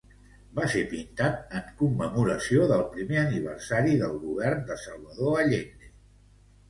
Va ser pintat en commemoració del primer aniversari del govern de Salvador Allende.